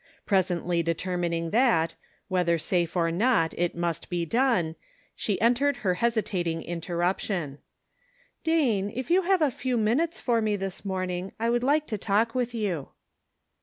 Presently determining that, whether safe or not, it must be done, she entered her hesitating interruption :" Dane, if you have a few minutes for me, 43 44 The Pocket Measure. this morning, I would like to talk with you."